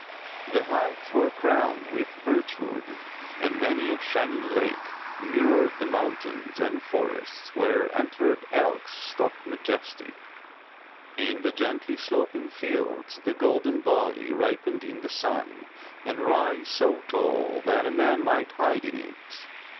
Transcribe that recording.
The heights were crowned with birchwood, and many a shining lake mirrored mountains and forests where antlered elks stalked majestic. In the gently sloping fields the golden barley ripened in the sun, and rye so tall that a man might hide in it.